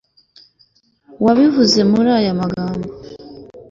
wabivuze muri aya magambo